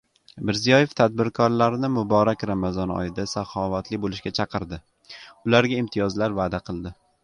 Mirziyoev tadbirkorlarni muborak Ramazon oyida saxovatli bo‘lishga chaqirdi, ularga imtiyozlar va’da qildi